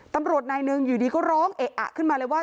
ตำรวจนายหนึ่งอยู่ดีก็ร้องเอะอะขึ้นมาเลยว่า